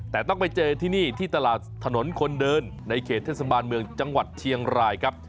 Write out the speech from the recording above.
แต่ต้องไปเจอที่นี่ที่ตลาดถนนคนเดินในเขตเทศบาลเมืองจังหวัดเชียงรายครับ